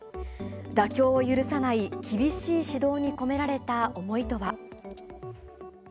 妥協を許さない、厳しい指導に込められた思いとは。